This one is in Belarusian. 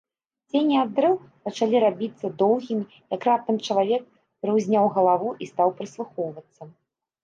Цені ад дрэў пачалі рабіцца доўгімі, як раптам чалавек прыўзняў галаву і стаў прыслухоўвацца.